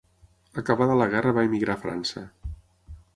Acabada la guerra va emigrar a França.